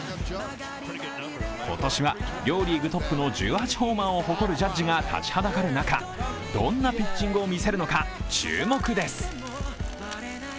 今年は両リーグトップの１８ホーマーを誇るジャッジが立ちはだかる中、どんなピッチングを見せるのか注目です。